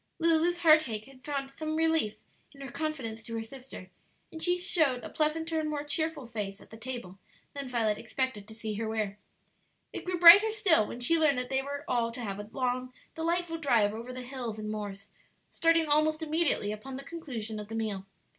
Lulu's heartache had found some relief in her confidence to her sister, and she showed a pleasanter and more cheerful face at the table than Violet expected to see her wear. It grew brighter still when she learned that they were all to have a long, delightful drive over the hills and moors, starting almost immediately upon the conclusion of the meal.